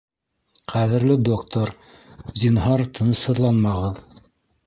— Ҡәҙерле доктор, зинһар, тынысһыҙланмағыҙ.